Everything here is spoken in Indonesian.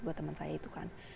buat teman saya itu kan